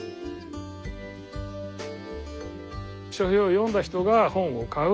書評を読んだ人が本を買う。